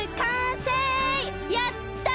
やった！